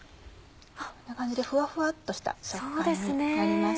こんな感じでフワフワっとした食感になります。